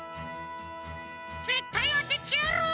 ぜったいあててやる！